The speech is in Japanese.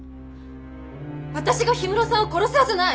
私が氷室さんを殺すはずない！